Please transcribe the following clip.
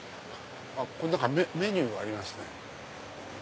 ここにメニューがありますね。